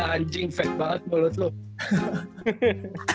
hal hal anjing fb aja deh